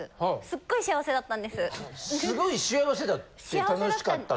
すごい幸せだって楽しかったって。